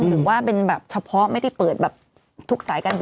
หรือว่าเป็นแบบเฉพาะไม่ได้เปิดแบบทุกสายการบิน